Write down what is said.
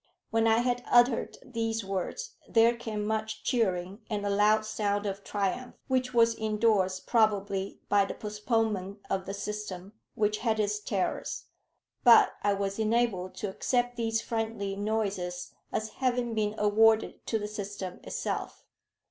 When I had uttered these words there came much cheering and a loud sound of triumph, which was indorsed probably by the postponement of the system, which had its terrors; but I was enabled to accept these friendly noises as having been awarded to the system itself.